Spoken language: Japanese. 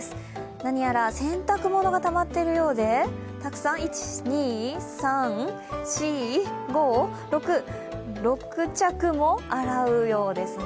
何やら洗濯物がたまっているようで、たくさん、１、２、３、４、５、６着も洗うようですね。